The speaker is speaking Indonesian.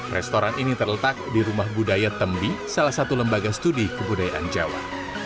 restoran ini terletak di rumah budaya tembi salah satu lembaga studi kebudayaan jawa